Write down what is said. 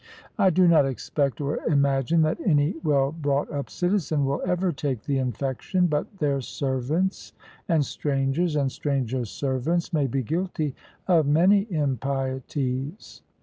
I do not expect or imagine that any well brought up citizen will ever take the infection, but their servants, and strangers, and strangers' servants may be guilty of many impieties.